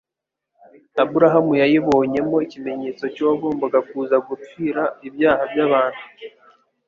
Aburahamu yayibonyemo ikimenyetso cy'uwagombaga kuza gupfira ibyaha by'abantu.